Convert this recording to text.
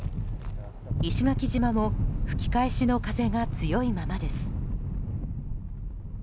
石垣島も吹き返しの風が強いままです。